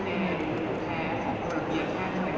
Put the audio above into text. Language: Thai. ที่มีความรู้สึกกว่าที่มีความรู้สึกกว่า